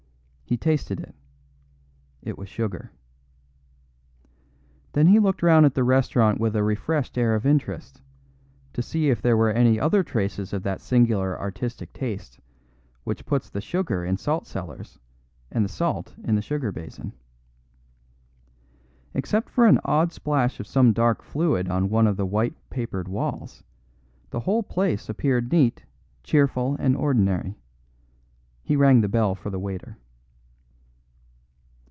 He tasted it; it was sugar. Then he looked round at the restaurant with a refreshed air of interest, to see if there were any other traces of that singular artistic taste which puts the sugar in the salt cellars and the salt in the sugar basin. Except for an odd splash of some dark fluid on one of the white papered walls, the whole place appeared neat, cheerful and ordinary. He rang the bell for the waiter.